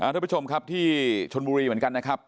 ทุกผู้ชมครับที่ชนบุรีเหมือนกันนะครับ